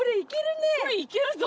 これいけるね。